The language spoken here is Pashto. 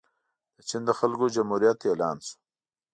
د چین د خلکو جمهوریت اعلان شو.